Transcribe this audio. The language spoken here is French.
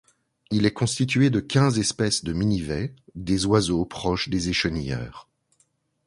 Il est constitué de quinze espèces de minivets, des oiseaux proches des échenilleurs.